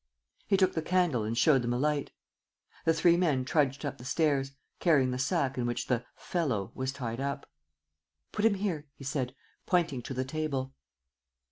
He took the candle and showed them a light. The three men trudged up the stairs, carrying the sack in which the "fellow" was tied up. "Put him here," he said, pointing to the table.